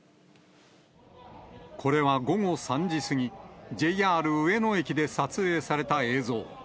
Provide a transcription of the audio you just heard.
これは午後３時過ぎ、ＪＲ上野駅で撮影された映像。